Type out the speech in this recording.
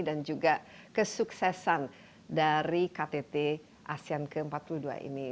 dan suksesan dari ktt asean ke empat puluh dua ini